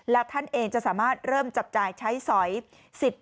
และท่านเองจะสามารถเริ่มจับจ่ายใช้สอย